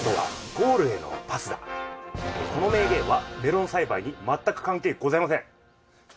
この名言はメロン栽培に全く関係ございません。